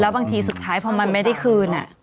แล้วบางทีสุดท้ายพอมันไม่ได้คืนอ่ะ